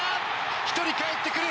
１人かえってくる。